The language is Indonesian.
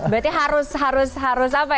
berarti harus harus harus apa ya